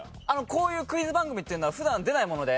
こういうクイズ番組というのは普段出ないもので。